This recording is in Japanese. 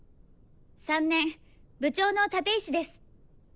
３年部長の立石です。